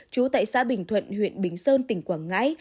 trú tại xã bình thuận huyện bình sơn tỉnh quảng ngãi